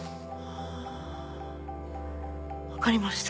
分かりました。